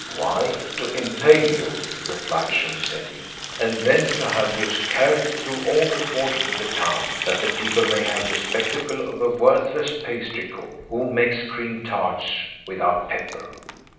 "Why, to impale you," replied Shumse ad Deen, "and then to have you carried through all the quarters of the town, that the people may have the spectacle of a worthless pastry cook, who makes cream tarts without pepper."